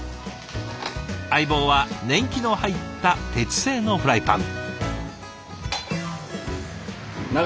相棒は年季の入った鉄製のフライパン。